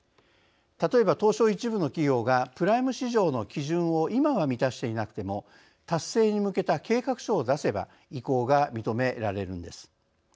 例えば、東証１部の企業がプライム市場の基準を今は満たしていなくても達成に向けた計画書を出せば移行が認められるのです。